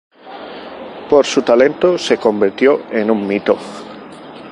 Por su talento se convirtió en un mito.